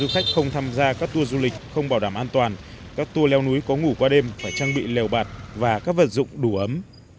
khách không tham gia các tour du lịch không bảo đảm an toàn các tour leo núi có ngủ qua đêm phải trang bị lèo bạt và các vật dụng đủ ấm